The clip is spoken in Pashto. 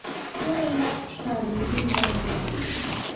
ځه ولاړ شه له دې ځايه!